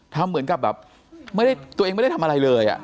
ทำเหมือนกับแบบไม่ได้ตัวเองไม่ได้ทำอะไรเลย